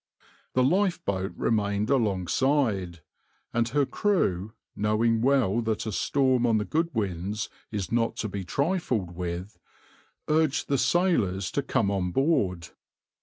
The lifeboat remained alongside, and her crew, knowing well that a storm on the Goodwins is not to be trifled with, urged the sailors to come on board.